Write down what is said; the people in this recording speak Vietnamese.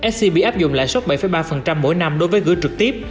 scb áp dụng lãi suất bảy ba mỗi năm đối với gửi trực tiếp